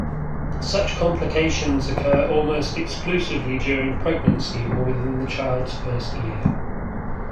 Such complications occur almost exclusively during pregnancy or within the child's first year.